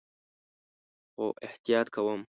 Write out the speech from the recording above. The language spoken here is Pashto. خو احتیاط کوم